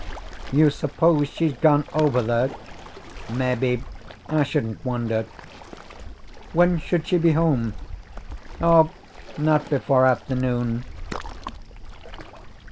"You suppose she's gone over there?" "Mebbe. I shouldn't wonder." "When should she be home?" "Oh, not before afternoon."